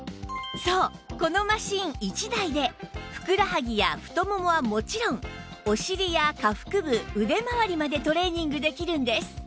そうこのマシン１台でふくらはぎや太ももはもちろんお尻や下腹部腕まわりまでトレーニングできるんです